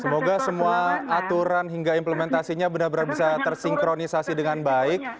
semoga semua aturan hingga implementasinya benar benar bisa tersinkronisasi dengan baik